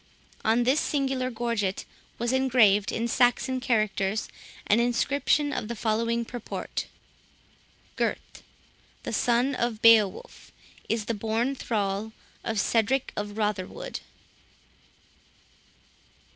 On this singular gorget was engraved, in Saxon characters, an inscription of the following purport:—"Gurth, the son of Beowulph, is the born thrall of Cedric of Rotherwood."